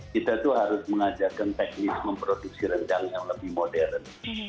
kita tuh harus mengajarkan teknis memproduksi rendang yang lebih modern